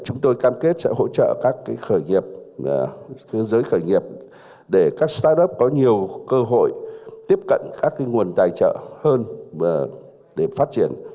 chúng tôi cam kết sẽ hỗ trợ các khởi nghiệp thế giới khởi nghiệp để các start up có nhiều cơ hội tiếp cận các nguồn tài trợ hơn để phát triển